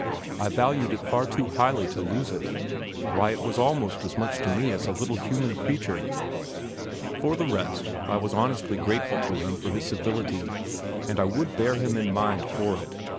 I valued it far too highly to lose it; why, it was almost as much to me as a little human creature. For the rest I was honestly grateful to him for his civility, and I would bear him in mind for it.